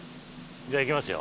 じゃあいきますよ。